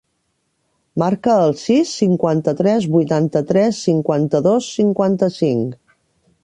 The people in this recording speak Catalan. Marca el sis, cinquanta-tres, vuitanta-tres, cinquanta-dos, cinquanta-cinc.